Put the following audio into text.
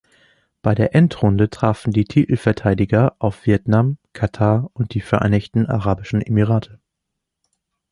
Bei der Endrunde trafen die Titelverteidiger auf Vietnam, Katar und die Vereinigten Arabischen Emirate.